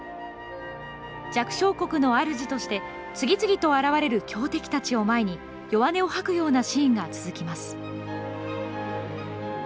弱小国の主として、次々と現れる強敵たちを前に弱音を吐くようなシーンが続きます。